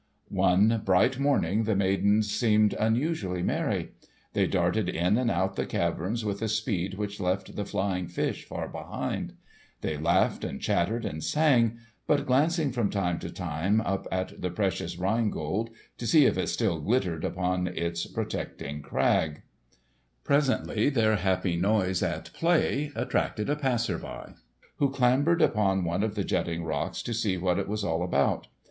One bright morning the maidens seemed unusually merry. They darted in and out the caverns with a speed which left the flying fish far behind. They laughed and chattered and sang, but glancing from time to time up at the precious Rhine Gold, to see if it still glittered upon its protecting crag. [Illustration: The Rhine Daughters H. Hendrich By permission of F. Bruckmann, Munich] Presently their happy noise at play attracted a passer by, who clambered upon one of the jutting rocks to see what it was all about.